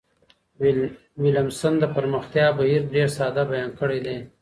ویلمسن د پرمختیا بهیر ډیر ساده بیان کړی دی.